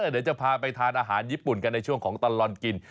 เดี๋ยวจะพาไปทานอาหารญี่ปุ่นกันในช่วงของตลอดกิน